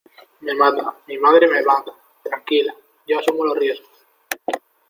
me mata, mi padre me mata. tranquila , yo asumo los riesgos .